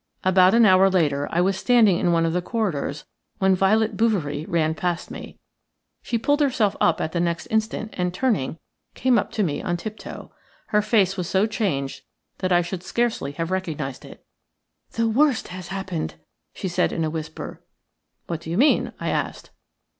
About an hour later I was standing in one of the corridors when Violet Bouverie ran past me. She pulled herself up the next instant and, turning, came up to me on tip toe. Her face was so changed that I should scarcely have recognised it. "The worst has happened," she said, in a whisper. "What do you mean?" I asked.